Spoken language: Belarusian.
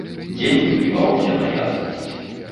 Дзень выбіваўся на яснасць.